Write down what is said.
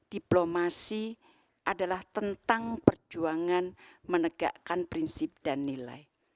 diplomasi adalah tentang perjuangan menegakkan prinsip dan nilai